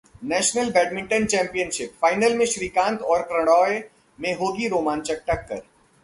national badminton championship: final में श्रीकांत और प्रणॉय में होगी रोमांचक टक्कर